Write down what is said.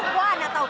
wah nggak tau